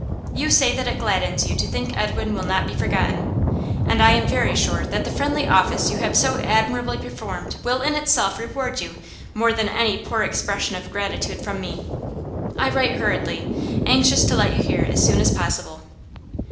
You say that it gladdens you to think Edwin will not be forgotten, and I am very sure that the friendly office you have so admirably performed will in itself reward you more than any poor expression of gratitude from me. I write hurriedly, anxious to let you hear as soon as possible.